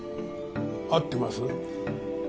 合ってます？